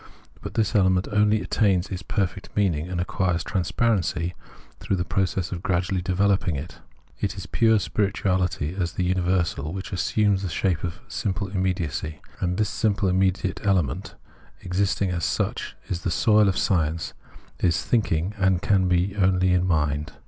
But this element only attains its perfect meaning and acquires transparency through the process of gradually developing it. It is pure spirituality as the universal which assumes the shape of simple immediacy ; and this simple element, existing as such, is the soil of science, is thinking, and can be only in mind.